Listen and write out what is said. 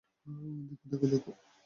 দেখো, দেখো, দেখো।